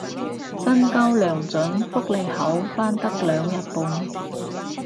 薪高糧準福利好返得兩日半